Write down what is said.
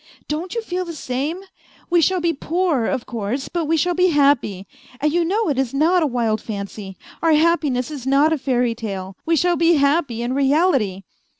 " Don't you feel the same ? We shall be poor, of course, but we shall be happy ; and you know it is not a wild fancy; our happiness is not a fairy tale; we shall be happy in reality